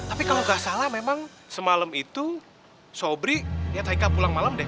tapi kalau gak salah memang semalam itu sobri lihat haikal pulang malam deh